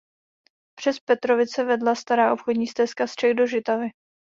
Přes Petrovice vedla stará obchodní stezka z Čech do Žitavy.